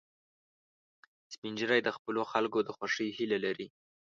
سپین ږیری د خپلو خلکو د خوښۍ هیله لري